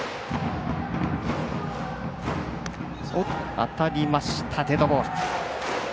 当たりました、デッドボール。